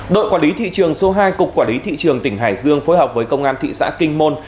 đội quản lý thị trường số hai cục quản lý thị trường tỉnh hải dương phối hợp với công an thị xã kinh môn